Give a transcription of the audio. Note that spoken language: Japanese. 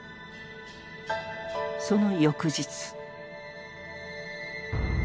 その翌日。